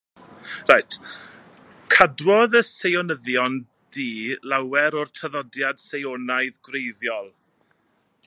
Cadwodd y Seionyddion du lawer o'r traddodiad Seionaidd gwreiddiol.